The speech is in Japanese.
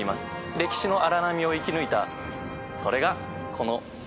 歴史の荒波を生き抜いたそれがこの犬山城なんです。